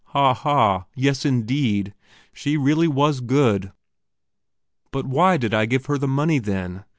Ha, ha! yes indeed, she really was good! But why did I give her the money, then?